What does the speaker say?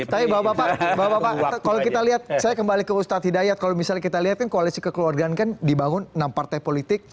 tapi bapak bapak kalau kita lihat saya kembali ke ustadz hidayat kalau misalnya kita lihat kan koalisi kekeluargaan kan dibangun enam partai politik